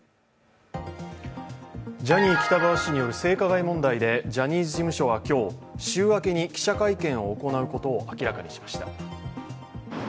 ジャニー喜多川氏による性加害問題でジャニーズ事務所は今日、週明けに記者会見を行うことを明らかにしました。